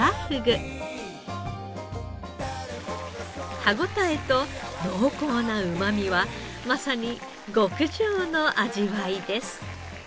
歯応えと濃厚なうまみはまさに極上の味わいです。